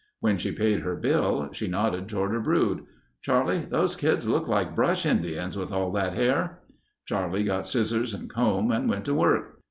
When she paid her bill she nodded toward her brood: "Charlie, those kids look like brush Indians with all that hair...." Charlie got scissors and comb and went to work.